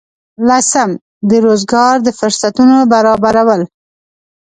لسم: د روزګار د فرصتونو برابرول.